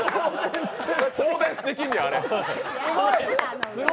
放電できんねや、あれ。